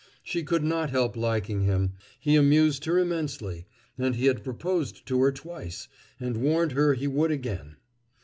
She could not help liking him; he amused her immensely; and he had proposed to her twice, and warned her he would again.